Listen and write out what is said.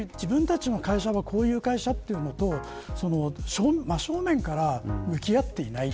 自分たちの会社はこういう会社というのと真正面から向き合っていない。